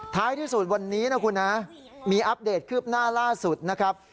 ท้ายที่สุดวันนี้นะคุณนะมีอัปเดตคืบหน้าล่าสุดนะครับ